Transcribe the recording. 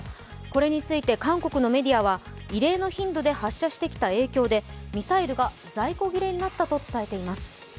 これについて、韓国のメディアは異例の頻度で発車してきた影響でミサイルが在庫切れになったと伝えています。